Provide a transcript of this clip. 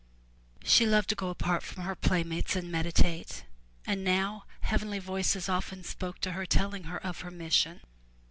She loved to go apart from her playmates and medi tate, and now heavenly voices often spoke to her telling her of her mission.